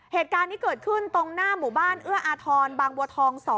เหตุการณ์นี้เกิดขึ้นตรงหน้าหมู่บ้านเอื้ออาทรบางบัวทอง๒